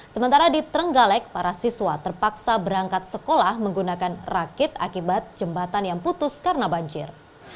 sementara di trenggalek para siswa terpaksa berangkat sekolah menggunakan rakit akibat jembatan yang putus karena banjir